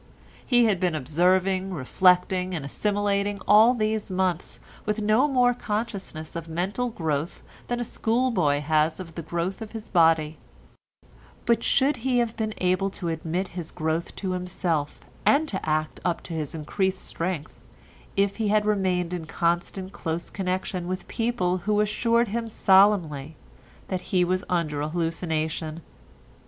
He had been observing, reflecting, and assimilating all these months with no more consciousness of mental growth than a school boy has of growth of body, but should he have been able to admit his growth to himself, and to act up to his increased strength if he had remained in constant close connection with people who assured him solemnly that he was under a hallucination?